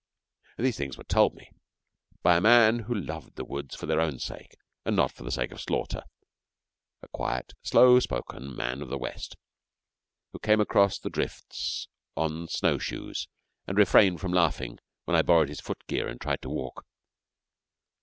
These things were told me by a man who loved the woods for their own sake and not for the sake of slaughter a quiet, slow spoken man of the West, who came across the drifts on show shoes and refrained from laughing when I borrowed his foot gear and tried to walk.